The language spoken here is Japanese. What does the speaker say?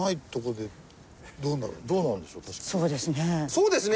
そうですね。